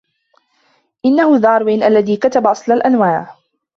إنه داروين الذي كتب أصل الأنواع.